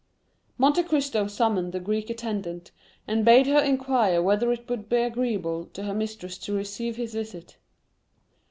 Monte Cristo summoned the Greek attendant, and bade her inquire whether it would be agreeable to her mistress to receive his visit.